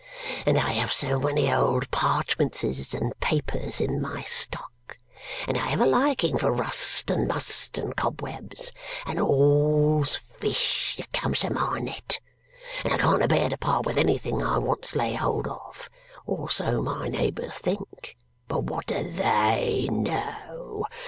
And I have so many old parchmentses and papers in my stock. And I have a liking for rust and must and cobwebs. And all's fish that comes to my net. And I can't abear to part with anything I once lay hold of (or so my neighbours think, but what do THEY know?)